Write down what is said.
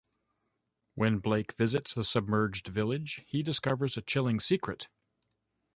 When Blake visits the submerged village he discovers a chilling secret...